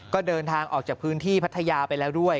ก็เดินทางออกจากพื้นที่พัทยาไปแล้วด้วย